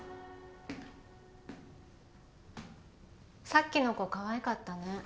さっきの子かわいかったね